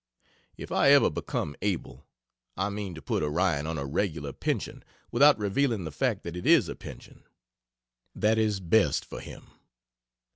If I ever become able, I mean to put Orion on a regular pension without revealing the fact that it is a pension. That is best for him.